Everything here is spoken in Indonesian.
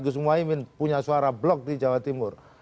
gus muhaymin punya suara blok di jawa timur